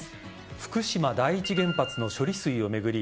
福島第一原発の処理水を巡り